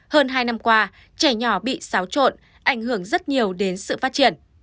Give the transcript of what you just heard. hơn hai năm qua trẻ nhỏ bị xáo trộn ảnh hưởng rất nhiều đến sự phát triển